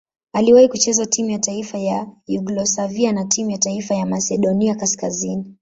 Aliwahi kucheza timu ya taifa ya Yugoslavia na timu ya taifa ya Masedonia Kaskazini.